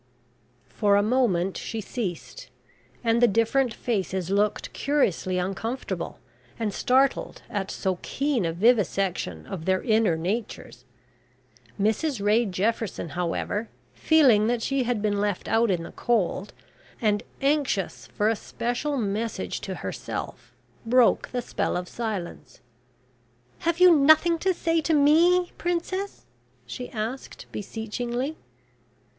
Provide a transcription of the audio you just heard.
'" For a moment she ceased, and the different faces looked curiously uncomfortable and startled at so keen a vivisection of their inner natures. Mrs Ray Jefferson, however, feeling that she had been left out in the cold, and anxious for a special message to herself, broke the spell of silence. "Have you nothing to say to me, Princess?" she asked beseechingly.